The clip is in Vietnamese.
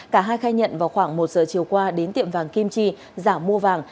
cả hai khai nhận vào khoảng một giờ chiều qua đến tiệm vàng kim chi giả mua vàng